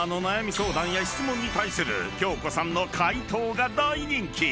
相談や質問に対する恭子さんの回答が大人気］